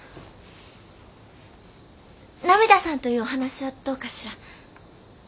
「ナミダさん」というお話はどうかしら。